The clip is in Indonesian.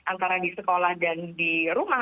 antara di sekolah dan di rumah